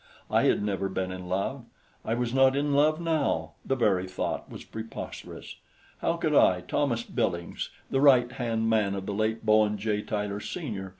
I had never been in love. I was not in love now the very thought was preposterous. How could I, Thomas Billings, the right hand man of the late Bowen J. Tyler, Sr.